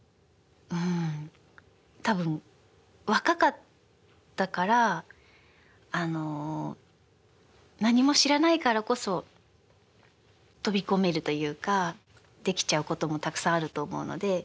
多分若かったから何も知らないからこそ飛び込めるというかできちゃうこともたくさんあると思うので。